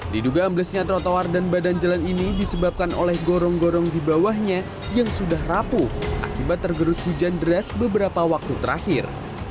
diduga amblesnya trotoar dan badan jalan ini disebabkan oleh gorong gorong di bawahnya yang sudah rapuh akibat tergerus hujan deras beberapa waktu terakhir